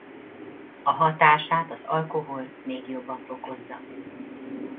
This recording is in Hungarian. A hatását az alkohol még jobban fokozza.